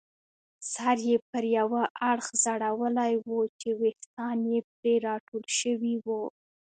سر یې پر یوه اړخ ځړولی وو چې ویښتان یې پرې راټول شوي وو.